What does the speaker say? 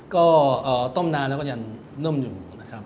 ก็ต้มนานแล้วก็ยังนุ่มอยู่นะครับ